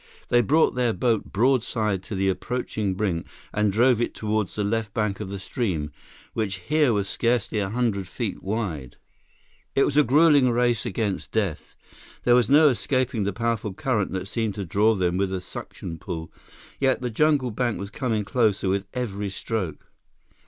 They brought their boat broadside to the approaching brink and drove it toward the left bank of the stream, which here was scarcely a hundred feet wide. It was a gruelling race against death. There was no escaping the powerful current that seemed to draw them with a suction pull. Yet the jungle bank was coming closer with every stroke.